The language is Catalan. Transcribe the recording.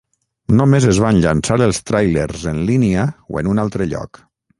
Només es van llançar els tràilers en línia o en un altre lloc.